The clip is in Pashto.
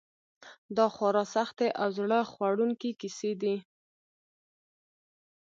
دا خورا سختې او زړه خوړونکې کیسې دي.